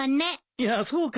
いやそうかな。